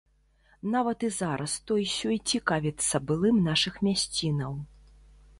Нават і зараз той-сёй цікавіцца былым нашых мясцінаў.